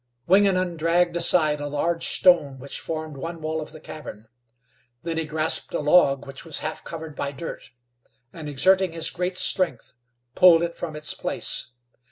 Wingenund dragged aside a large stone which formed one wall of the cavern. Then he grasped a log which was half covered by dirt, and, exerting his great strength, pulled it from its place.